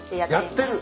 やってる。